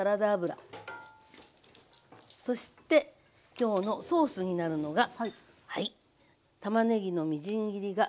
そして今日のソースになるのが。